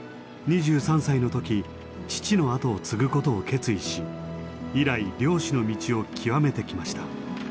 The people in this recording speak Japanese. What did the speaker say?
２３歳の時父の後を継ぐことを決意し以来漁師の道を極めてきました。